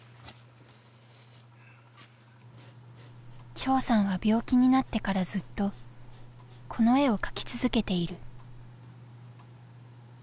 長さんは病気になってからずっとこの絵を描き続けている。